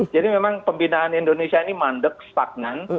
jadi memang pembinaan indonesia ini mandek stagnan